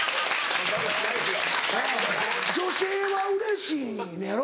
女性はうれしいのやろ？